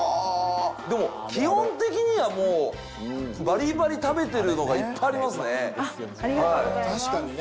でも基本的にはもうバリバリ食べてるのがいっぱいありますね。